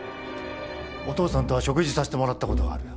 お父さんとは食事さしてもらったことがあるよ。